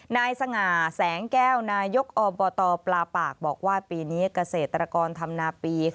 นายสง่าแสงแก้วนายกอบตปลาปากบอกว่าปีนี้เกษตรกรธรรมนาปี